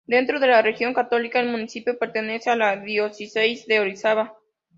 Dentro de la Religión Católica, el municipio pertenece a la Diócesis de Orizaba.